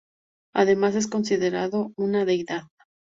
Además, es considerado como una deidad.